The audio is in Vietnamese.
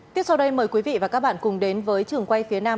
tiếp sau đây mời quý vị và các bạn cùng đến với trường quay phía nam